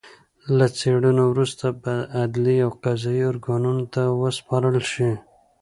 له څېړنو وروسته به عدلي او قضايي ارګانونو ته وسپارل شي